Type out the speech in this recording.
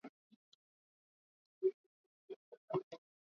redio inaaminika zaidi kwa utoaji wa taarifa